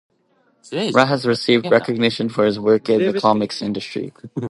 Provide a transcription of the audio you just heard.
Matt has received recognition for his work in the comics industry.